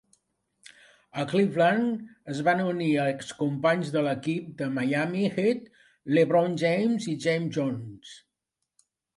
A Cleveland, es va unir a excompanys de l'equip de Miami Heat LeBron James i James Jones.